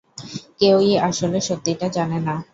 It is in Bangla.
কেউই আসলে সত্যিটা জানে না।